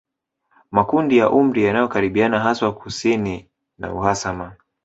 Makundi ya umri yanayokaribiana haswa kusini na uhasama